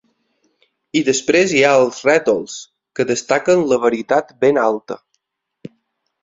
I després hi ha els rètols, que destaquen la veritat ben alta.